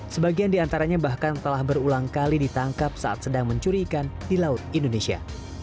sebagian diantaranya bahkan telah berulang kali ditangkap saat sedang mencuri ikan di laut indonesia